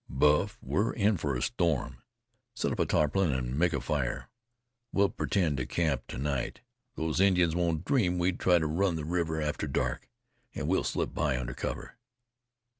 "Buff, we're in for a storm. Set up a tarpaulin an' make a fire. We'll pretend to camp to night. These Indians won't dream we'd try to run the river after dark, and we'll slip by under cover."